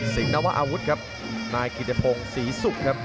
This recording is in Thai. สิ่งน้ำว่าอาวุธครับนายกิเตะพงศ์ศรีศุกร์ครับ